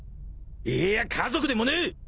いや家族でもねえ。